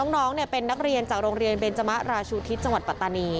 น้องเป็นนักเรียนจากโรงเรียนเบนจมะราชูทิศจังหวัดปัตตานี